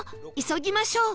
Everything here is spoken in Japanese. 急ぎましょう